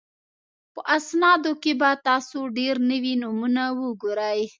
په اسنادو کې به تاسو ډېر نوي نومونه وګورئ